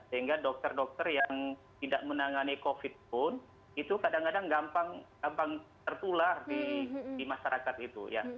sehingga dokter dokter yang tidak menangani covid pun itu kadang kadang gampang tertular di masyarakat itu ya